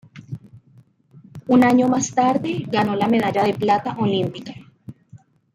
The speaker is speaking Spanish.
Un año más tarde, ganó la medalla de plata olímpica.